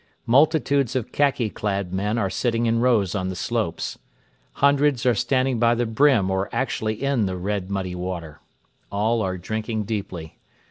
Multitudes of khaki clad men are sitting in rows on the slopes. Hundreds are standing by the brim or actually in the red muddy water. All are drinking deeply.